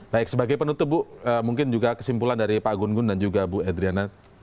baik sebagai penutup bu mungkin juga kesimpulan dari pak gun gun dan juga bu edriana